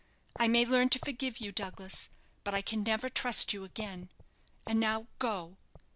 I may learn to forgive you, Douglas, but I can never trust you again. And now go."